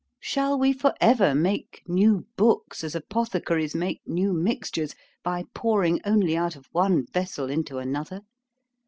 _ Shall we for ever make new books, as apothecaries make new mixtures, by pouring only out of one vessel into another?